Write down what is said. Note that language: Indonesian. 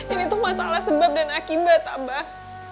ini tuh masalah sebab dan akibat abah